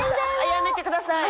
やめてください！